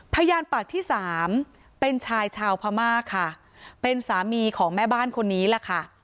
พยานปากที่สามเป็นชายชาวพม่าค่ะเป็นสามีของแม่บ้านคนนี้แหละค่ะ